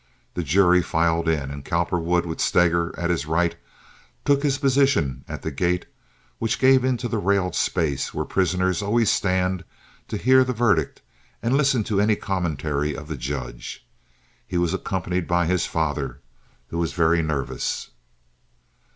The jury filed in, and Cowperwood, with Steger at his right, took his position at the gate which gave into the railed space where prisoners always stand to hear the verdict and listen to any commentary of the judge. He was accompanied by his father, who was very nervous.